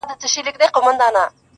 ما پر اوو دنياوو وسپارئ، خبر نه وم خو~